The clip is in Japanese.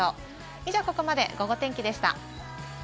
以上、ここまでゴゴ天気でした。